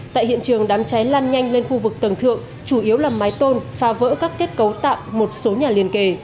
tại hiện trường đám cháy lan nhanh lên khu vực tầng thượng chủ yếu là mái tôn phá vỡ các kết cấu tạm một số nhà liên kề